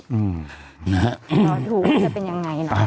รอถูกว่าจะเป็นยังไงเนาะ